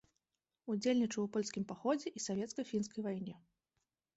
Удзельнічаў у польскім паходзе і савецка-фінскай вайне.